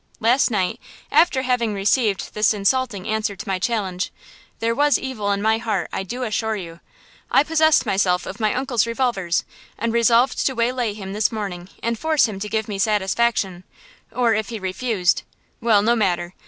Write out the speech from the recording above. Last night, after having received his insulting answer to my challenge, there was evil in my heart, I do assure you! I possessed myself of my uncle's revolvers and resolved to waylay him this morning and force him to give me satisfaction, or if he refused–well, no matter!